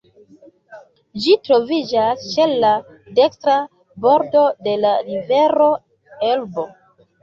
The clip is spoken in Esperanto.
Ĝi troviĝas ĉe la dekstra bordo de la rivero Elbo.